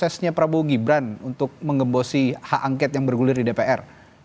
tesnya prabowo gibran untuk mengembosi hak angket yang bergulir di dpr